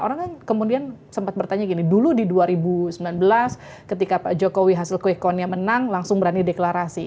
orang kan kemudian sempat bertanya gini dulu di dua ribu sembilan belas ketika pak jokowi hasil quick countnya menang langsung berani deklarasi